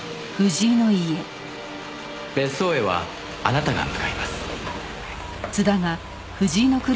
別荘へはあなたが向かいます。